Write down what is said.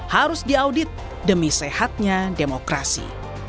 harus diaudit demi sehatnya demokrasi